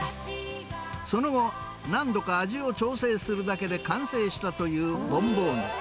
その後、何度か味を調整するだけで完成したというボンボーヌ。